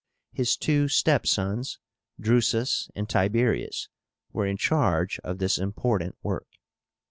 His two step sons, Drusus and Tiberius, were in charge of this important work.